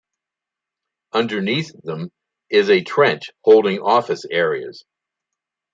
Underneath them is a trench holding office areas.